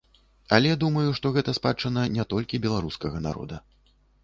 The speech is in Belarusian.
Але думаю, што гэта спадчына не толькі беларускага народа.